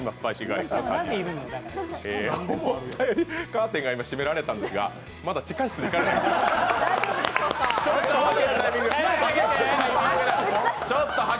カーテンが今、閉められたんですがまだ地下室に彼らは。